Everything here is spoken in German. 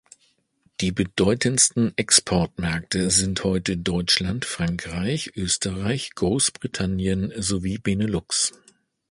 Die bedeutendsten Exportmärkte sind heute Deutschland, Frankreich, Österreich, Grossbritannien sowie Benelux.